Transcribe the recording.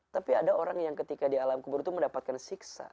tapi ada orang yang ketika di alam kubur itu mendapatkan siksa